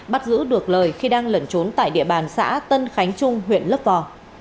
bắt giữ được lời khi đang lẩn trốn tại địa bàn xã tân khánh trung huyện lấp vò